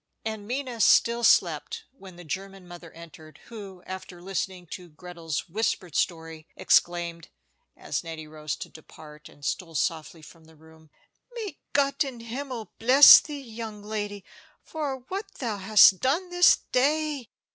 And Minna still slept when the German mother entered, who, after listening to Gretel's whispered story, exclaimed, as Nettie rose to depart, and stole softly from the room: "May Gott in Himmel bless thee, young lady, for what thou hast done this day!